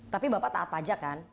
tapi bapak taat pajak kan